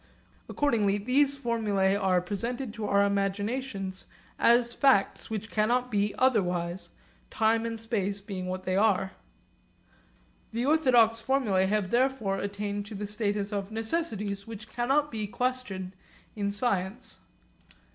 Accordingly, these formulae are presented to our imaginations as facts which cannot be otherwise, time and space being what they are. The orthodox formulae have therefore attained to the status of necessities which cannot be questioned in science.